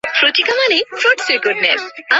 এখনো তৈরি হস নি?